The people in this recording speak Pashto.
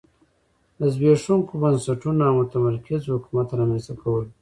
د زبېښونکو بنسټونو او متمرکز حکومت رامنځته کول و